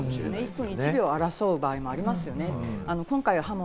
１分１秒を争うこともありますよね。